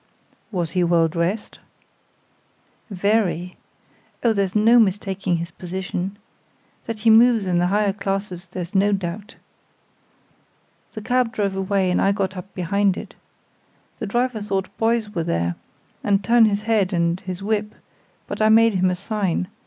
"Was he well dressed?" "Very. Oh, there's no mistaking his position. That he moves in the higher classes there's no doubt. The cab drove away, and I got up behind it. The driver thought boys were there, and turned his head and his whip, but I made him a sign.